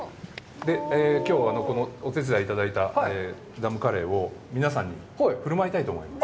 きょうはこのお手伝いいただいたダムカレーを皆さんに振る舞いたいと思います。